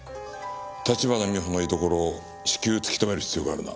立花美穂の居所を至急突き止める必要があるな。